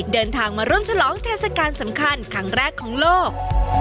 เดินทางมาร่วมฉลองเทศกาลสำคัญครั้งแรกของโลก